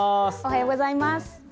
おはようございます。